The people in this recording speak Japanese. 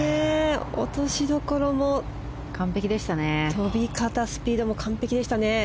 落としどころも飛び方、スピードも完璧でしたね。